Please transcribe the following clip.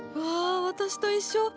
わ私と一緒！